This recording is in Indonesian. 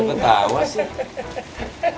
kok udah ketawa sih